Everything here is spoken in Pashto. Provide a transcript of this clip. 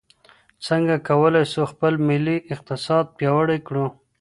څنګه کولای سو خپل ملي اقتصاد پیاوړی کړو؟